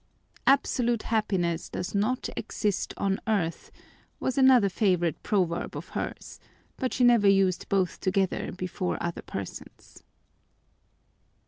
"Absolute happiness does not exist on earth," was another favorite proverb of hers, but she never used both together before other persons.